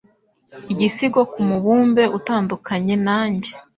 igisigo kumubumbe utandukanye nanjye